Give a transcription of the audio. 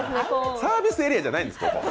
サービスエリアじゃないんです。